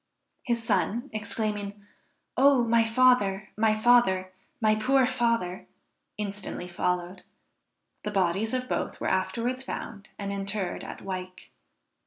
His son exclaiming, "Oh my father, my father! my poor father!" instantly followed. The bodies of both were afterwards found and interred at Wyke.